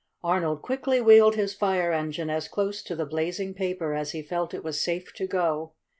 Arnold quickly wheeled his fire engine as close to the blazing paper as he felt it was safe to go.